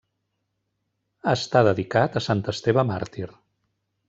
Està dedicat a sant Esteve màrtir.